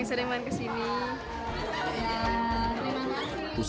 usai seluruh penampilan dilakukan